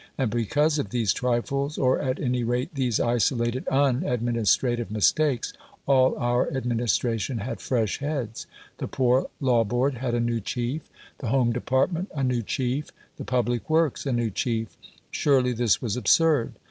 And because of these trifles, or at any rate these isolated UNadministrative mistakes, all our administration had fresh heads. The Poor Law Board had a new chief, the Home Department a new chief, the Public Works a new chief. Surely this was absurd."